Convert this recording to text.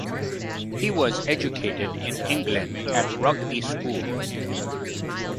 He was educated in England at Rugby School.